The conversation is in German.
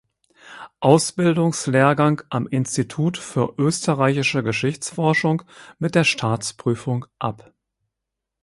Ausbildungslehrgang am Institut für österreichische Geschichtsforschung mit der Staatsprüfung ab.